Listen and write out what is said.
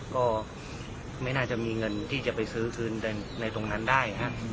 ก็ไม่น่าจะมีเงินที่จะไปซื้อคืนในตรงนั้นได้